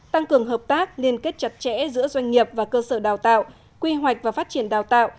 tăng cường hợp tác liên kết chặt chẽ giữa doanh nghiệp và cơ sở đào tạo quy hoạch và phát triển đào tạo